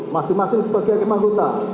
masing masing sebagai hakim anggota